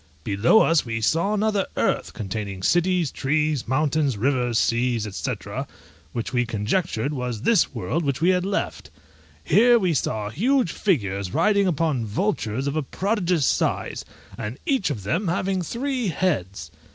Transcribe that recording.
Below us we saw another earth, containing cities, trees, mountains, rivers, seas, &c., which we conjectured was this world which we had left. Here we saw huge figures riding upon vultures of a prodigious size, and each of them having three heads.